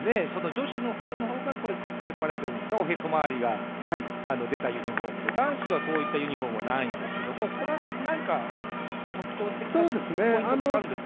女子の方がセパレというんですかおへそ周りが出たユニフォームで男子はそういったユニフォームはないんですけれどもこれは何か特徴的にポイントがあるんですか？